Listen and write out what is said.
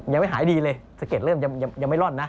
ยังไม่หายดีเลยสะเก็ดเริ่มยังไม่ร่อนนะ